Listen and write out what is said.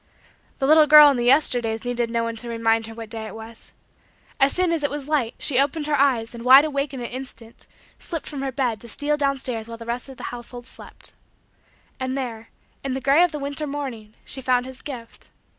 The little girl in the Yesterdays needed no one to remind her what day it was. As soon as it was light, she opened her eyes, and, wide awake in an instant, slipped from her bed to steal down stairs while the rest of the household still slept. And there, in the gray of the winter morning, she found his gift.